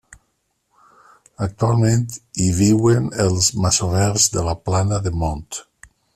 Actualment hi viuen els masovers de la Plana de Mont.